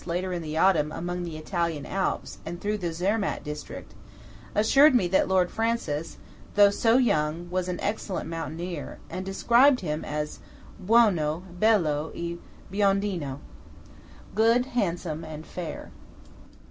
later in the autumn among the Italian Alps and through the Zermatt district–assured me that Lord Francis, though so young, was an excellent mountaineer, and described him as "buono, bello, e biondino" (good, handsome, and fair).